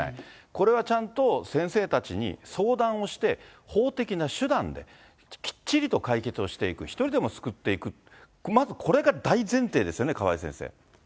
これはちゃんと先生たちに相談をして、法的な手段で、きっちりと解決していく、１人でも救っていく、まずこれが大前提ですよね、川井先生。